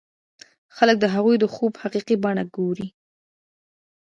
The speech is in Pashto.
خلک د هغوی د خوب حقيقي بڼه ګوري.